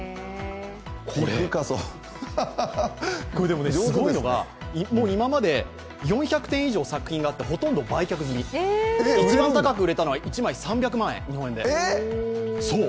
これでもすごいのが、今まで４００点以上作品があってほとんど売却済、一番高く売れたのは１枚日本円で３００万円。